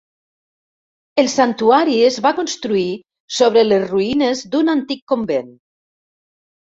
El santuari es va construir sobre les ruïnes d'un antic convent.